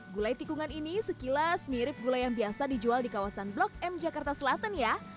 gulai tikungan ini sekilas mirip gula yang biasa dijual di kawasan blok m jakarta selatan ya